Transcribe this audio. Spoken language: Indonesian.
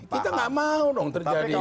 kita nggak mau dong terjadi yang kemudian